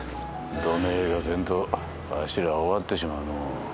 どねぇかせんとわしら終わってしまうのう。